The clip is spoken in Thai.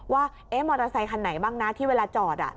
ว่ามอเตอร์ไซคันไหนบ้างนะที่เวลาจอด